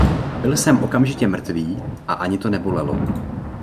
Byl jsem okamžitě mrtvý a ani to nebolelo.